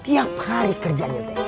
setiap hari kerjanya